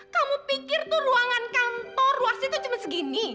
kamu pikir tuh ruangan kantor ruasnya tuh cuma segini